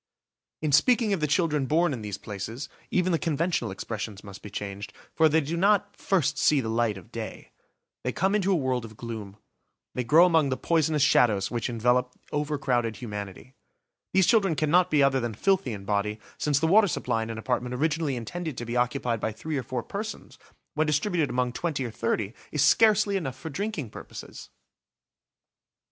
In speaking of the children born in these places, even the conventional expressions must be changed, for they do not "first see the light of day"; they come into a world of gloom. They grow among the poisonous shadows which envelope over crowded humanity. These children cannot be other than filthy in body, since the water supply in an apartment originally intended to be occupied by three or four persons, when distributed among twenty or thirty is scarcely enough for drinking purposes!